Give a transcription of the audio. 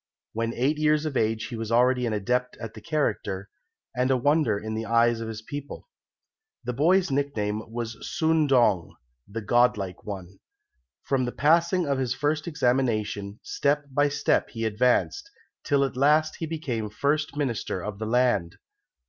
When eight years of age he was already an adept at the character, and a wonder in the eyes of his people. The boy's nickname was Soondong (the godlike one). From the passing of his first examination, step by step he advanced, till at last he became First Minister of the land.